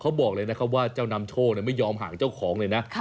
บอกเลยนะครับว่าเจ้านำโชคไม่ยอมห่างเจ้าของเลยนะ